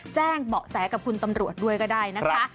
แจ้งเบาะแสกับคุณตำรวจด้วยก็ได้นะคะ